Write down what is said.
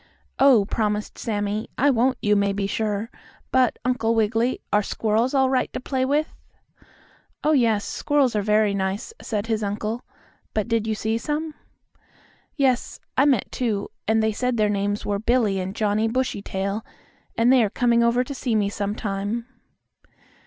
"Oh," promised Sammie, "I won't, you may be sure. But, Uncle Wiggily, are squirrels all right to play with?" "Oh, yes, squirrels are very nice," said his Uncle. "Why, did you see some?" "Yes, I met two, and they said their names were Billie and Johnnie Bushytail, and they are coming over to see me some time."